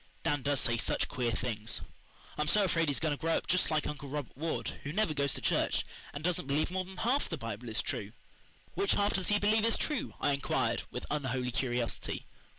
Dan does say such queer things. I'm so afraid he's going to grow up just like Uncle Robert Ward, who never goes to church, and doesn't believe more than half the Bible is true." "Which half does he believe is true?" I inquired with unholy curiosity.